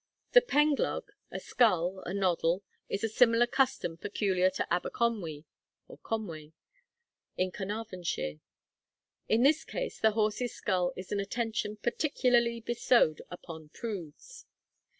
The penglog (a skull, a noddle) is a similar custom peculiar to Aberconwy (Conway) in Carnarvonshire. In this case the horse's skull is an attention particularly bestowed upon prudes.